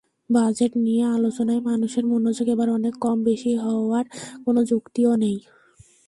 Budget নিয়ে আলোচনায় মানুষের মনোযোগ এবার অনেক কম, বেশি হওয়ার কোনো যুক্তিও নেই।